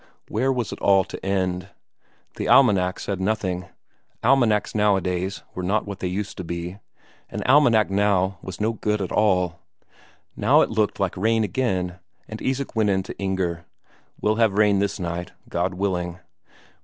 Where was it all to end? The almanac said nothing almanacs nowadays were not what they used to be; an almanac now was no good at all. Now it looked like rain again, and Isak went in to Inger: "We'll have rain this night, God willing."